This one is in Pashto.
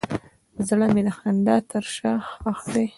زړه مې د خندا تر شا ښخ دی.